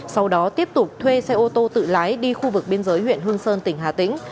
sau đó tiếp tục thuê xe ô tô tự lái đi khu vực biên giới huyện hương sơn tỉnh hà tĩnh